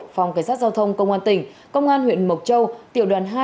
phòng cảnh sát giao thông công an tỉnh công an huyện mộc châu tiểu đoàn hai